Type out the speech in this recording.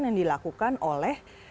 yang dilakukan oleh